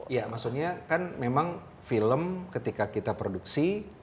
ya maksudnya kan memang film ketika kita produksi